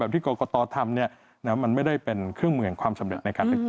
แบบที่กรกฎทำเนี่ยมันไม่ได้เป็นเครื่องเมืองความสำเร็จในการลึกตั้ง